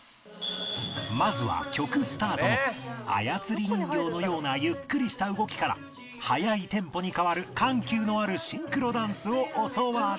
まずは曲スタートの操り人形のようなゆっくりした動きから速いテンポに変わる緩急のあるシンクロダンスを教わる